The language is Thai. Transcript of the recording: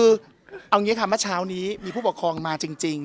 เอาอย่างงี้ค่ะมันเช้านี้มีผู้ปกครองมาจริงจริง